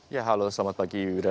ya halo selamat pagi yuda